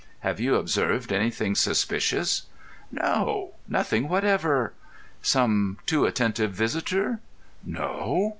Have you observed anything suspicious?" "No; nothing whatever." "Some too attentive visitor?" "No."